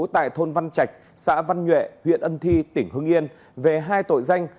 tại thôn văn trạch xã văn nhuệ huyện ân thi tỉnh hưng yên về hai tội danh